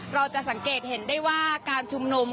เราจะสังเกตเห็นได้ว่าการชุมนุม